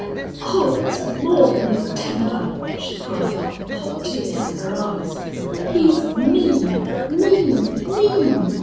"Oh! it's more than his temper!" she cried, hot tears in her eyes. "He's mean mean MEAN!